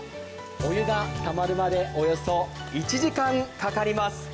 お湯がたまるまでおよそ１時間かかります。